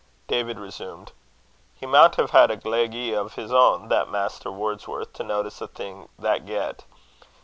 David resumed: "He maun hae had a gleg 'ee o' his ain, that Maister Wordsworth, to notice a'thing that get.